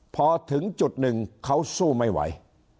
พอถึงจุดหนึ่งเขาสู้ไม่ไหว